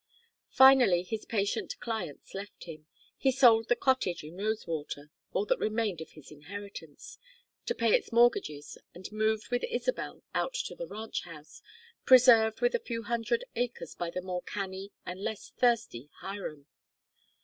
Finally his patient clients left him, he sold the cottage in Rosewater all that remained of his inheritance to pay its mortgages, and moved with Isabel out to the ranch house, preserved with a few hundred acres by the more canny and less thirsty Hiram.